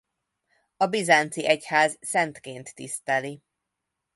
A bizánci egyház szentként tiszteli.